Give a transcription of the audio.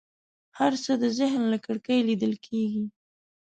هر څه د ذهن له کړکۍ لیدل کېږي.